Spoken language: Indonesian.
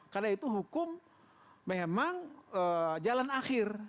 karena itu hukum memang jalan akhir